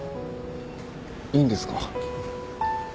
いいんですか？